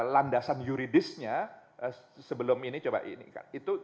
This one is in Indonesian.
landasan yuridisnya sebelum ini coba ini